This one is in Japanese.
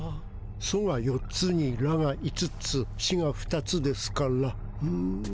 「ソ」が４つに「ラ」が５つ「シ」が２つですからうん。